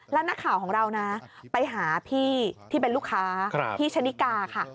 แล้วนักข่าวของเรานะไปหาพี่ที่เป็นลูกค้าพี่ชนิกาค่ะ